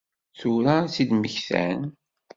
Tura i tt-id-mmektan?